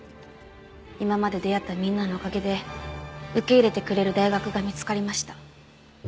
今まで出会ったみんなのおかげで受け入れてくれる大学が見つかりました。